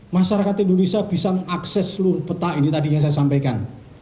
masyarakat indonesia bisa mengakses seluruh peta ini tadi yang saya sampaikan